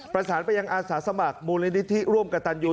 ประสานไปยังอาสาสมัครมูลนิธิร่วมกับตันยู